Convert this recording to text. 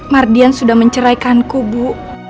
mardian sudah menceraikanku bu